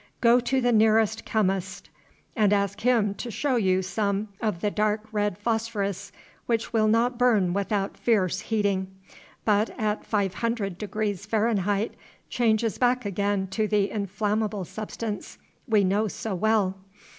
Go to the nearest chemist and ask him to show you some of the dark red phosphorus which will not burn without fierce heating, but at 500 deg. Fahrenheit, changes back again to the inflammable substance we know so well.